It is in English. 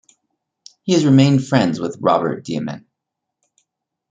He has remained friends with Robert Diament.